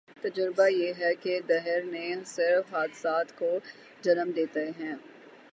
تجربہ یہ ہے کہ دھرنے صرف حادثات کو جنم دیتے ہیں۔